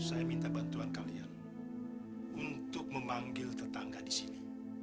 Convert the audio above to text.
saya minta bantuan kalian untuk memanggil tetangga di sini